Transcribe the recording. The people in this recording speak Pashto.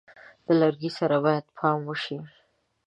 د لرګي سره باید پام وشي.